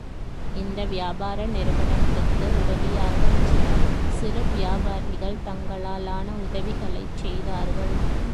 இந்த வியாபார நிறுவனத்துக்கு உதவியாகச் சில சிறு வியாபாரிகள் தங்களாலான உதவிகளைச் செய்தார்கள்.